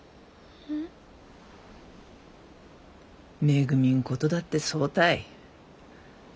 めぐみんことだってそうたい。